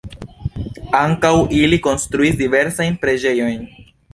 Ankaŭ ili konstruis diversajn preĝejojn.